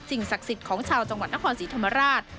ศักดิ์สิทธิ์ของชาวจังหวัดนครศรีธรรมราช